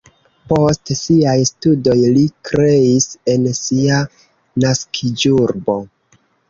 Post siaj studoj li kreis en sia naskiĝurbo.